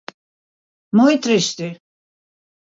Moi triste.